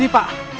ada apa ini pak